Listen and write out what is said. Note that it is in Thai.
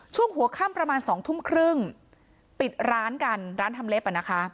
ช่วงหัวค่ำประมาณ๒ทุ่มครึ่งปิดร้านกันร้านทำเล็บอ่ะนะคะ